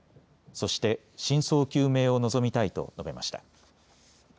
そして真相究明を望みたいと述べました。